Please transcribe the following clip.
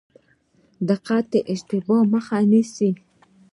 دقت د اشتباه مخه نیسي